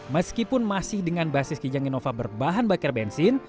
meskipun masih dengan basis kijang innova berbahan bakar bensin